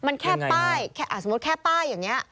ตกลงมัน